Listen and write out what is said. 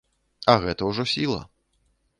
А гэта ўжо сіла.